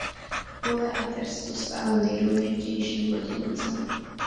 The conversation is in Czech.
V Pule a Terstu stály nejdůležitější loděnice.